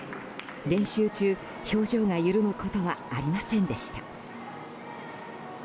練習中、表情が緩むことはありませんでした。